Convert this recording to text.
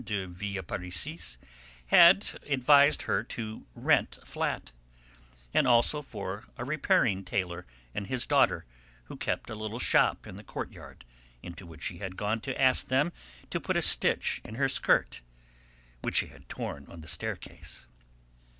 de Villeparisis had advised her to rent a flat; and also for a repairing tailor and his daughter, who kept a little shop in the courtyard, into which she had gone to ask them to put a stitch in her skirt, which she had torn on the staircase.